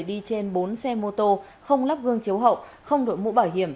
đi trên bốn xe mô tô không lắp gương chiếu hậu không đội mũ bảo hiểm